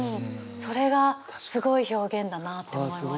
それがすごい表現だなって思いました。